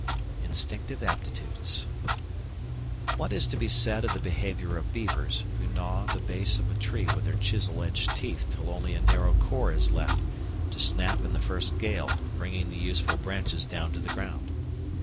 Instinctive Aptitudes What is to be said of the behaviour of beavers who gnaw the base of a tree with their chisel edged teeth till only a narrow core is left to snap in the first gale, bringing the useful branches down to the ground?